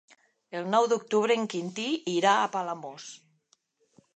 El nou d'octubre en Quintí irà a Palamós.